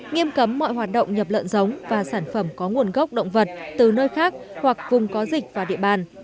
nghiêm cấm mọi hoạt động nhập lợn giống và sản phẩm có nguồn gốc động vật từ nơi khác hoặc vùng có dịch vào địa bàn